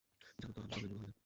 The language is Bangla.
জানো তো, আমরা কখনো বুড়ো হই না।